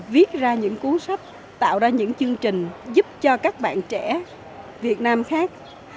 viết ra những cuốn sách tạo ra những chương trình giúp cho các bạn trẻ việt nam khác